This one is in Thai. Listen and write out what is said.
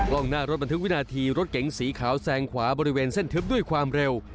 กล้องหน้ารถบันทึกวินาทีรถเก๋งสีขาวแซงขวาบริเวณเส้นทึบด้วยความเร็ว